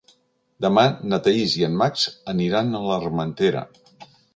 Demà na Thaís i en Max aniran a l'Armentera.